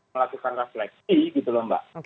melakukan refleksi gitu loh mbak